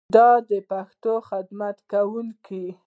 د پښتو خدمت کوونکی